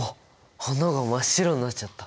花が真っ白になっちゃった。